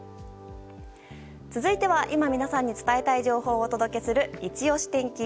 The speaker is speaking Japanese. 続いては今皆さんに伝えたい情報をお届けする、いちオシ天気。